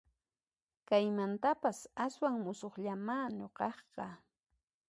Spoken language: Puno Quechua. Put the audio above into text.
Kaymantapas aswan musuqllamá nuqaqqa